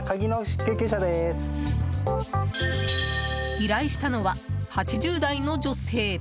依頼したのは８０代の女性。